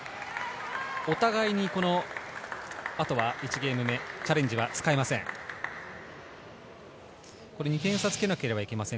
お互いにあとは１ゲーム目、チャレンジは使いません。